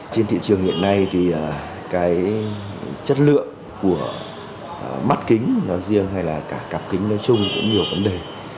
trên thị trường hiện nay thì cái chất lượng của mắt kính nói riêng hay là cả cặp kính nói chung cũng nhiều vấn đề